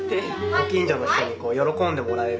ご近所の人に喜んでもらえる。